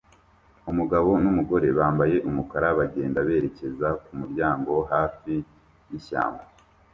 Umugabo numugore bambaye umukara bagenda berekeza kumuryango hafi yishyamba